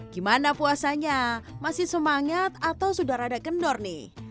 gimana puasanya masih semangat atau sudah rada kendor nih